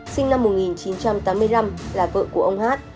sinh năm một nghìn chín trăm tám mươi năm là vợ của ông hát